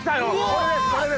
これです！